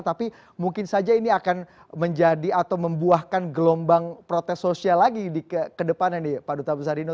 tapi mungkin saja ini akan menjadi atau membuahkan gelombang protes sosial lagi ke depannya nih pak duta besarino